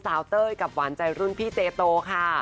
เต้ยกับหวานใจรุ่นพี่เจโตค่ะ